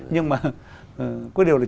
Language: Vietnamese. nhưng mà cái điều là